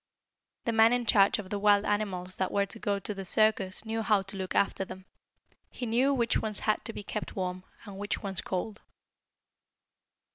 The man in charge of the wild animals that were to go to the circus knew how to look after them. He knew which ones had to be kept warm, and which ones cold.